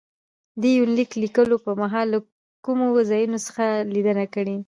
دې يونليک ليکلو په مهال له کومو ځايونو څخه ليدنه کړې